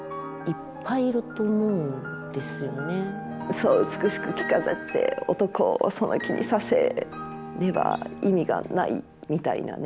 そう美しく着飾って男をその気にさせねば意味がないみたいなね。